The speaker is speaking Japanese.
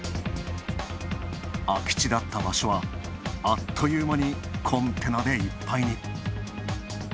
空き地だった場所はあっという間にコンテナでいっぱいに。